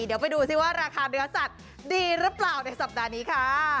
เดี๋ยวไปดูซิว่าราคาเนื้อสัตว์ดีหรือเปล่าในสัปดาห์นี้ค่ะ